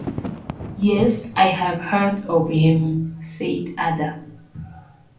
"Yes, I have heard of him," said Ada.